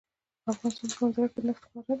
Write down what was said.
د افغانستان په منظره کې نفت ښکاره ده.